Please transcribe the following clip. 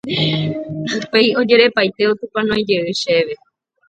upéi ojerepaite otupãnói jey chéve.